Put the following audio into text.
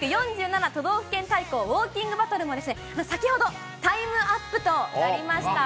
都道府県対抗ウオーキングバトルも先ほどタイムアップとなりました。